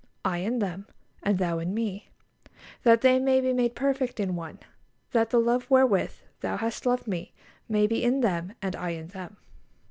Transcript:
I in them, and Thou in Me, that they may be made perfect in one;... that the love wherewith Thou hast loved Me may be in them, and I in them."